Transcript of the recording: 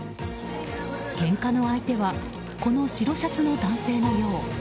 けんかの相手はこの白シャツの男性のよう。